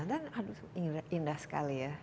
dan indah sekali ya